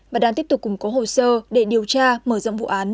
và đang tiếp tục củng cố hồ sơ để điều tra mở rộng vụ án